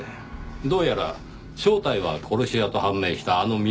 どうやら正体は殺し屋と判明したあの身元不明の女